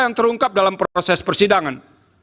yang terungkap dalam proses persidangan